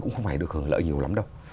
cũng không phải được hưởng lợi nhiều lắm đâu